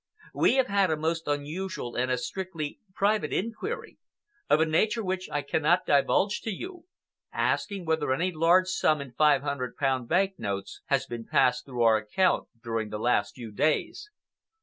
We have had a most unusual and a strictly private inquiry, of a nature which I cannot divulge to you, asking whether any large sum in five hundred pound banknotes has been passed through our account during the last few days."